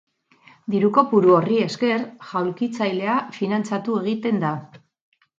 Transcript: Diru kopuru horri esker, jaulkitzailea finantzatu egiten da.